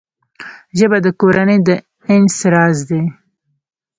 ژبه د کورنۍ د انس راز دی